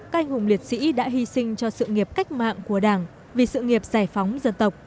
canh hùng liệt sĩ đã hy sinh cho sự nghiệp cách mạng của đảng vì sự nghiệp giải phóng dân tộc